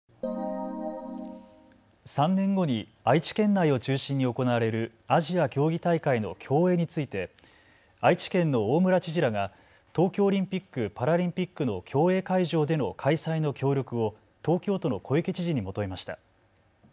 ３年後に愛知県内を中心に行われるアジア競技大会の競泳について愛知県の大村知事らが東京オリンピック・パラリンピックの競泳会場での開催の協力を東京都の小池知事に求めました。